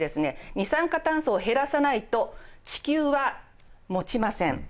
二酸化炭素を減らさないと地球はもちません。